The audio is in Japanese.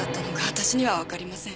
私にはわかりません。